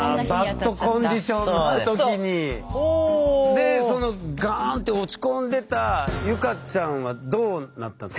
でそのガーンって落ち込んでた結香ちゃんはどうなったんですか？